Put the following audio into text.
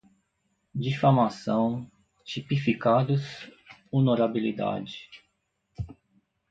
difamação, tipificados, honorabilidade